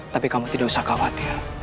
tapi kamu tidak usah khawatir